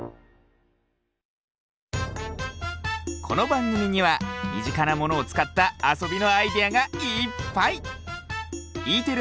このばんぐみにはみぢかなものをつかったあそびのアイデアがいっぱい！